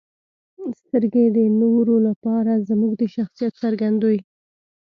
• سترګې د نورو لپاره زموږ د شخصیت څرګندوي.